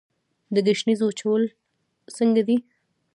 د ګشنیزو وچول څنګه دي؟